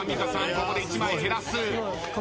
ここで１枚減らす。